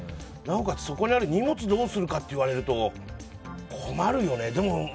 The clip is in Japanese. そこにある荷物をどうするかと言われると、困るよね。